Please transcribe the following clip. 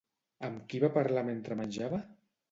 Amb qui va parlar mentre menjava?